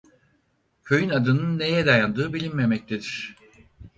Köyün adının neye dayandığı bilinmemektedir.